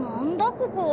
ここ。